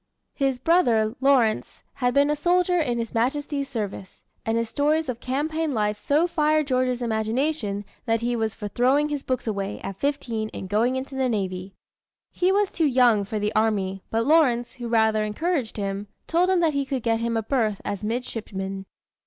His brother, Lawrence, had been a soldier in His Majesty's service, and his stories of campaign life so fired George's imagination that he was for throwing his books away, at fifteen, and going into the navy. He was too young for the army, but Lawrence, who rather encouraged him, told him that he could get him a berth as midshipman.